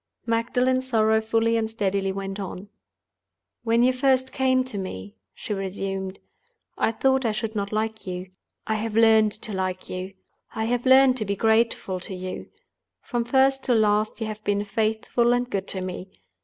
Magdalen sorrowfully and steadily went on. "When you first came to me," she resumed, "I thought I should not like you. I have learned to like you—I have learned to be grateful to you. From first to last you have been faithful and good to me.